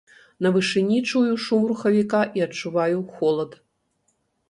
На вышыні чую шум рухавіка і адчуваю холад.